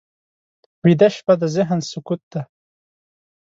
ویده شپه د ذهن سکوت دی